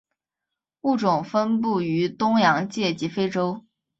物种分布于东洋界及非洲。